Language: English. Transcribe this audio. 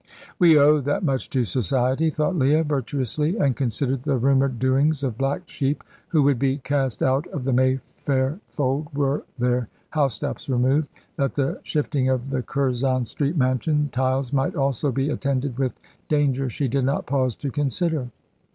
"We owe that much to society," thought Leah, virtuously, and considered the rumoured doings of black sheep who would be cast out of the Mayfair fold were their housetops removed. That the shifting of the Curzon Street mansion tiles might also be attended with danger she did not pause to consider.